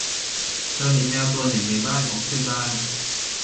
เธอเห็นแมวตัวหนึ่งในบ้านของเพื่อนบ้าน